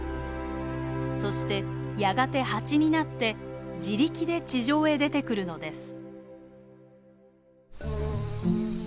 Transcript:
そしてやがてハチになって自力で地上へ出てくるのです。